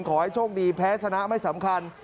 ขอให้โชคดีแพ้ชนะไม่สำคัญ